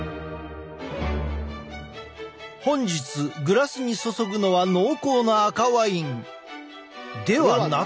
本日グラスに注ぐのは濃厚な赤ワインではなく。